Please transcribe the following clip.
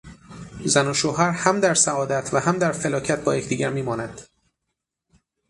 زن و شوهر هم در سعادت و هم در فلاکت با یکدیگر میمانند.